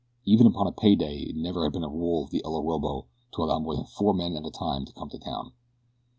Even upon a pay day it never had been the rule of El Orobo to allow more than four men at a time to come to town.